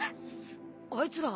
あいつら。